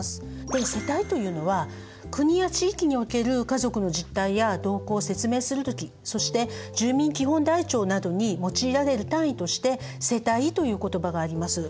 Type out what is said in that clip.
で世帯というのは国や地域における家族の実態や動向を説明する時そして住民基本台帳などに用いられる単位として世帯という言葉があります。